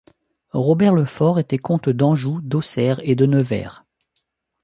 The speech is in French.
Robert le Fort était comte d'Anjou, d'Auxerre et de Nevers.